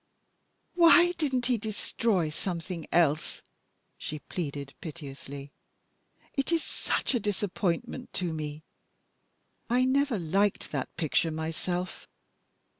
"Why didn't he destroy something else?" she pleaded, piteously. "It is such a disappointment to Me. I never liked that picture myself.